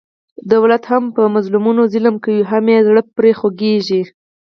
دولت هم په مظلومانو ظلم کوي، هم یې زړه پرې خوګېږي.